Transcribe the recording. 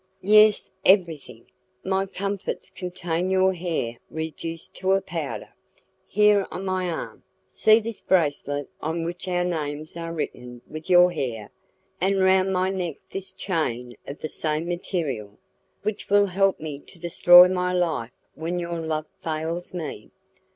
"Yes, everything. My comfits contain your hair reduced to a powder. Here on my arm, see this bracelet on which our names are written with your hair, and round my neck this chain of the same material, which will help me to destroy my own life when your love fails me.